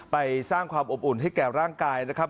ไปสร้างความอบอุ่นให้แก่ร่างกายนะครับ